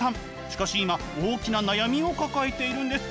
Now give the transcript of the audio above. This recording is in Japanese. しかし今大きな悩みを抱えているんです。